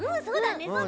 そうだね。